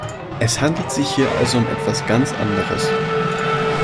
Es handelt sich hier also um etwas ganz anderes.